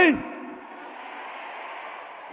ลุงตู่อยู่ไหน